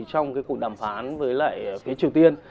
trong cuộc đàm phán với lại phía triều tiên